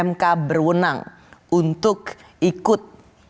mk berwenang untuk ikut